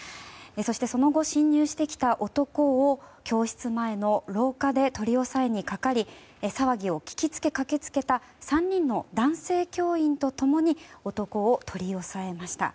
そして、その後侵入してきた男を教室前の廊下で取り押さえにかかり騒ぎを聞きつけ、駆け付けた３人の男性教員と共に男を取り押さえました。